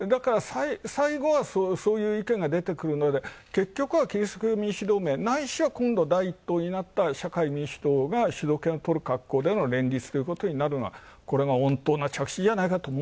最後はそういう意見が出てくるので結局はキリスト教民主・社会同盟、ないしは、今度第１党になった社会民主党が主導権をとるのが連立ということになるのがこれが穏当な着地なんじゃないかと。